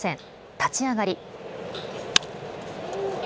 立ち上がり。